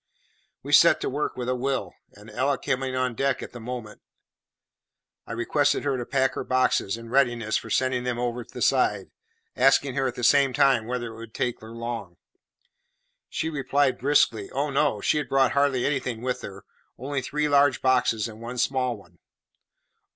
We set to work with a will; and Ella coming on deck at the moment, I requested her to pack her boxes in readiness for sending them over the side, asking her, at the same time, whether it would take her long. She replied briskly, Oh, no; she had brought hardly anything with her only three large boxes and one small one.